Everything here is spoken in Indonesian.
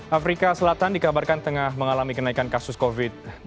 afrika selatan dikabarkan tengah mengalami kenaikan kasus covid sembilan belas